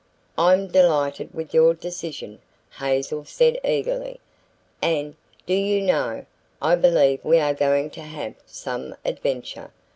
"I'm delighted with your decision," Hazel said eagerly. "And, do you know, I believe we are going to have some adventure.